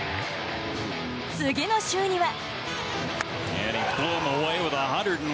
次の週には。